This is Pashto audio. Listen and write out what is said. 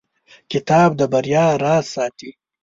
کتاب د بریا راز ساتي.